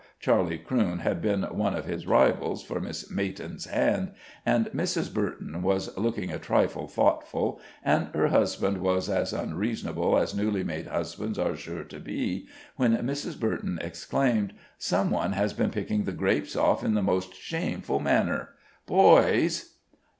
Charlie Crewne had been one of his rivals for Miss Mayton's hand, and Mrs. Burton was looking a trifle thoughtful, and her husband was as unreasonable as newly made husbands are sure to be, when Mrs. Burton exclaimed: "Some one has been picking the grapes off in the most shameful manner. Boys!"